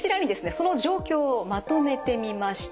その状況をまとめてみました。